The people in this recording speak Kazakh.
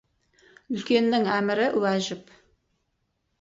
Үлкеннің әмірі — уәжіп.